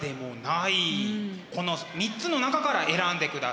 この３つの中から選んでくださいね。